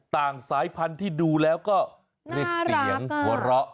สายพันธุ์ที่ดูแล้วก็เรียกเสียงหัวเราะ